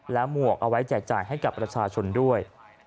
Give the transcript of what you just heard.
หมวกเอาไว้แจกจ่ายให้กับประชาชนด้วย